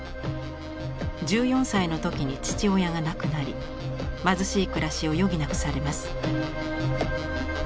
１４歳の時に父親が亡くなり貧しい暮らしを余儀なくされます。